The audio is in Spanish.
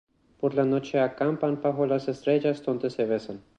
Por la noche acampan bajo las estrellas, donde se besan.